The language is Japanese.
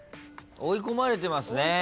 追い込まれてますね。